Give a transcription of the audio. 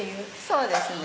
そうですね。